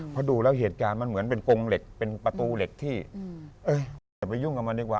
เพราะดูแล้วเหตุการณ์มันเหมือนเป็นกงเหล็กเป็นประตูเหล็กที่อย่าไปยุ่งกับมันดีกว่า